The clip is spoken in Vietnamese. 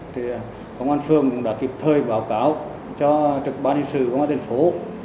thì công an phường đã kịp thời báo cáo cho trực ban hình sự của thành phố